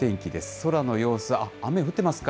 空の様子、雨降ってますか？